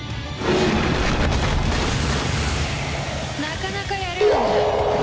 なかなかやるわね。